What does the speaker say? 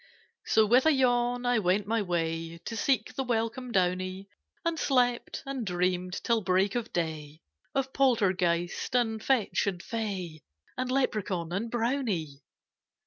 So with a yawn I went my way To seek the welcome downy, And slept, and dreamed till break of day Of Poltergeist and Fetch and Fay And Leprechaun and Brownie!